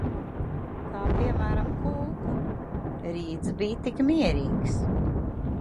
Kā piemēram, kūku. Rīts bij tik mierīgs.